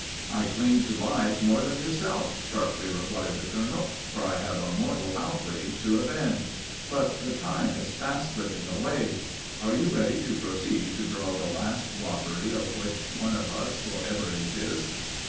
"'I cling to life more than yourself,' sharply replied the colonel, 'for I have a mortal outrage to avenge. But the time is fast slipping away. Are you ready to proceed to draw the last lottery at which one of us will ever exist?"